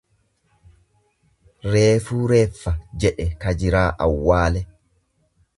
Reefuu Reeffa jedhe kajiraa awwaale.